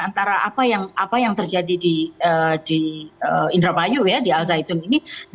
antara apa yang terjadi di indramayu ya di al zaitun ini